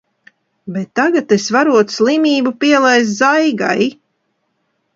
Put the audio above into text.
Bet tagad es varot slimību pielaist Zaigai.